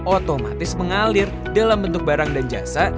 otomatis mengalir dalam bentuk barang dan jasa